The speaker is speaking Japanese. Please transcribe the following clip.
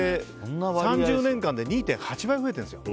３０年間で２．８倍増えているんですよ。